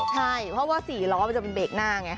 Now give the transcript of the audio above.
ใช่เพราะว่า๔ล้อมันจะเป็นเบรกหน้าไง